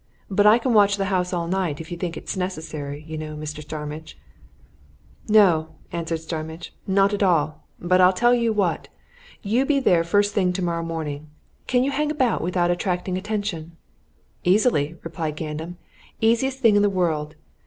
But I can watch the house all night if you think it's necessary, you know, Mr. Starmidge." "No!" answered Starmidge. "Not at all. But I'll tell you what you be about there first thing tomorrow morning. Can you hang about without attracting attention?" "Easily!" replied Gandam. "Easiest thing in the world.